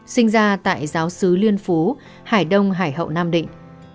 sinh ra tại giáo sứ liên phú hải đông hải hậu nam định